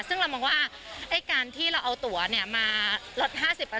ซึ่งเรามองว่าการที่เราเอาตัวมาลด๕๐